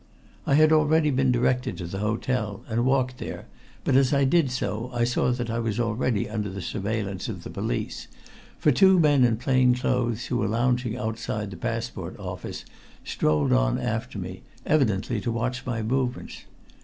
I had already been directed to the hotel, and walked there, but as I did so I saw that I was already under the surveillance of the police, for two men in plain clothes who were lounging outside the passport office strolled on after me, evidently to watch my movements.